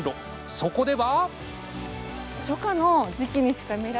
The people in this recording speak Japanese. そこでは。